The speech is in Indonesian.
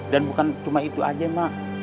dan bukan cuma itu aja